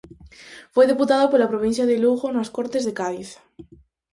Foi deputado pola provincia de Lugo nas Cortes de Cádiz.